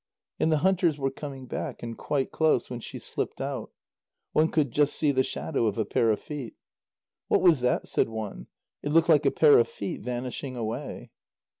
And the hunters were coming back, and quite close, when she slipped out. One could just see the shadow of a pair of feet. "What was that," said one. "It looked like a pair of feet vanishing away."